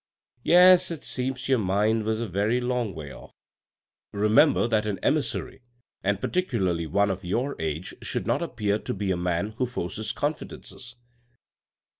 " Yes, it seems your mind was a very long way off. Re member that an emissary, and particularly one of your age should not appear to be a man who forces confidences."